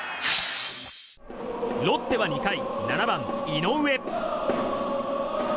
ロッテは２回７番、井上。